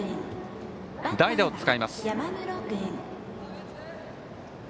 代打を使います。